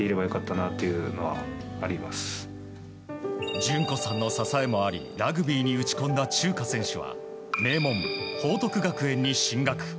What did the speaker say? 淳子さんの支えもありラグビーに打ち込んだチューカ選手は名門・報徳学園に進学。